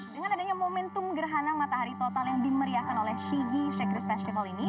dengan adanya momentum gerhana matahari total yang dimeriahkan oleh cg secret festival ini